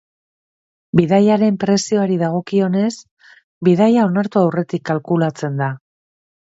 Bidaiaren prezioari dagokionez, bidaia onartu aurretik kalkulatzen da.